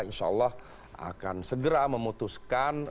insya allah akan segera memutuskan